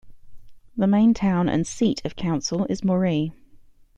The main town and seat of Council is Moree.